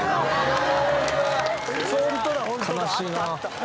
・悲しいな。